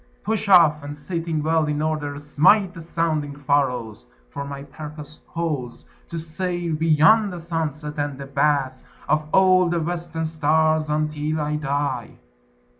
Push off, and sitting well in order smite The sounding furrows; for my purpose holds To sail beyond the sunset, and the baths Of all the western stars, until I die.